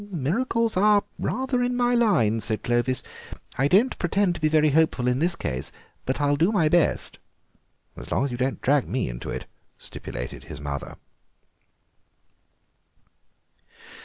"Miracles are rather in my line," said Clovis. "I don't pretend to be very hopeful in this case but I'll do my best." "As long as you don't drag me into it—" stipulated his mother.